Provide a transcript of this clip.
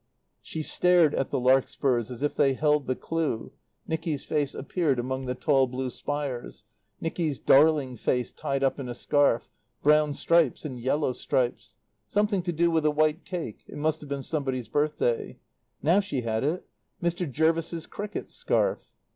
She stared at the larkspurs as if they held the clue Nicky's face appeared among the tall blue spires, Nicky's darling face tied up in a scarf, brown stripes and yellow stripes something to do with a White Cake it must have been somebody's birthday. Now she had it Mr. Jervis's cricket scarf.